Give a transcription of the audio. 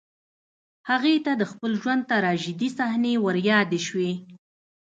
هغې ته د خپل ژوند تراژيدي صحنې وريادې شوې